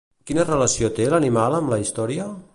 Quina relació té l'animal amb la història?